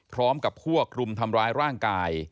พร้อมกับพวกรุมทำร้ายร่างกาย